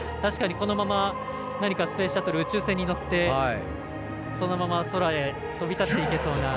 このままスペースシャトル宇宙船に乗ってそのまま空へ飛び立っていけそうな。